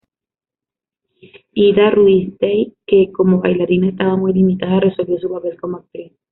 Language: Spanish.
Ida Rubinstein que como bailarina estaba muy limitada resolvió su papel como actriz.